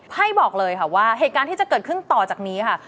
บอกเลยค่ะว่าเหตุการณ์ที่จะเกิดขึ้นต่อจากนี้ค่ะ